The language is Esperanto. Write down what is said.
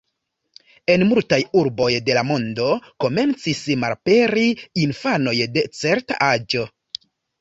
En multaj urboj de la mondo komencis malaperi infanoj de certa aĝo.